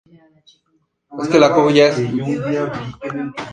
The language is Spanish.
El objetivo de cada desafío principal implica un nuevo tema y resultado.